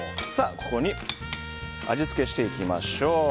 ここに味付けしていきましょう。